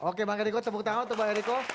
oke bang henrico tepuk tangan untuk bang henrico